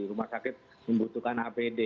rumah sakit membutuhkan apd